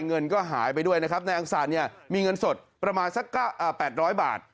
เงินก็หายไปด้วยนะครับนายอังสะเนี่ยมีเงินสดประมาณสัก๘๐๐บาท